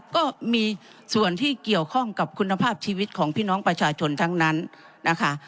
ก็มีส่วนที่เกี่ยวข้องกับคุณภาพชีวิตของพี่น้องประชาชนทั้งนั้นนะคะ